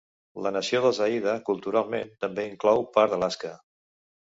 La nació dels Haida, culturalment, també inclou part d'Alaska.